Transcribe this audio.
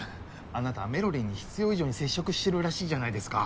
あなたメロりんに必要以上に接触してるらしいじゃないですか。